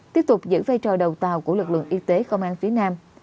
tiếp tục giữ vai trò đầu tàu của lực lượng y tế công an phía nam